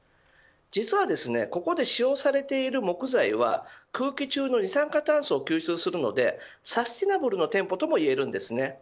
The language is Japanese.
実はここで使用されている木材は空気中の二酸化炭素を吸収するのでサステナブルな店舗ともいえます。